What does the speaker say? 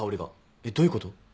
えっどういうこと？